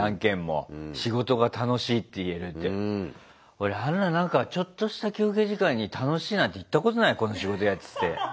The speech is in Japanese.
俺あんななんかちょっとした休憩時間に楽しいなんて言ったことないこの仕事やってて。